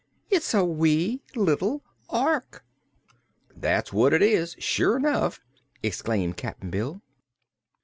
It's a wee little Ork!" "That's what it is, sure enough," exclaimed Cap'n Bill.